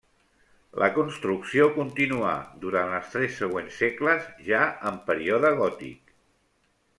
La construcció continuà durant els tres següents segles, ja en període gòtic.